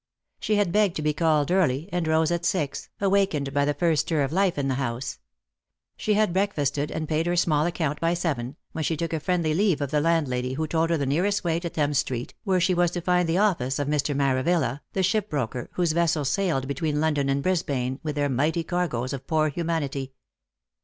She had begged to be called early, and rose at six, awakened by the first stir of life in the house. She had breakfasted and paid her small account by seven, when she took a friendly leave of the landlady, who told her the nearest way to Thames street, where she was to find the office of Mr. Maravilla, the shipbroker, whose vessels sailed between London and Brisbane, with their mighty cargoes of poor humanity.